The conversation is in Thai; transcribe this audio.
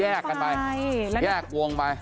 แยกกันไปแยกวงไป